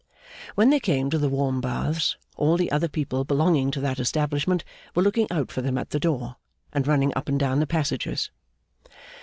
When they came to the warm baths, all the other people belonging to that establishment were looking out for them at the door, and running up and down the passages.